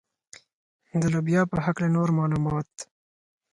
د لوبیا په هکله نور معلومات.